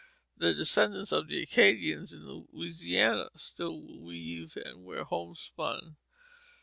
The descendants of the Acadians in Louisiana still weave and wear homespun.